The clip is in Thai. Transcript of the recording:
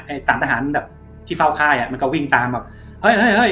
สารทหารแบบที่เฝ้าค่ายอ่ะมันก็วิ่งตามแบบเฮ้ยเฮ้ย